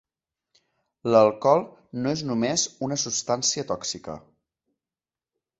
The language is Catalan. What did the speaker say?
L'alcohol no és només una substància tòxica.